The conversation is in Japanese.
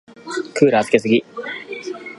クーラーつけすぎ。